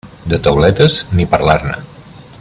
De tauletes ni parlar-ne.